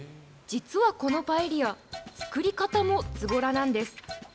実はこのパエリア、作り方もずぼらなんです。